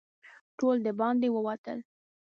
ټول د باندې ووتل.